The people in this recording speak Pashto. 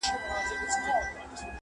زه لکه ماشوم په منډومنډو وړانګي نیسمه٫